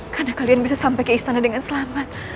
karena kalian bisa sampai ke istana dengan selamat